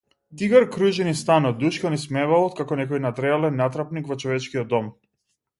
Тигар кружи низ станот, душка низ мебелот како некој надреален натрапник во човечкиот дом.